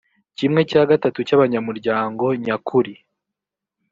kimwe cya gatatu cy abanyamuryango nyakuri